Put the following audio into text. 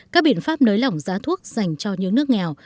các biện pháp nới lỏng giá thuốc dành cho những nước nghèo